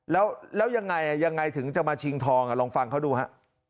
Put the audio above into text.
แล้วยังไงยังไงถึงจะมาชิงทองลองฟังเขาดูฮะ